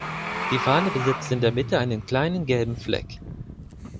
Die Fahne besitzt in der Mitte einen kleinen gelben Fleck.